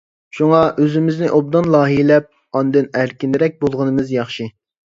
شۇڭا ئۆزىمىزنى ئوبدان لايىھەلەپ، ئاندىن ئەركىنرەك بولغىنىمىز ياخشى.